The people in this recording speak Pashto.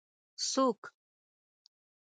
ـ څوک؟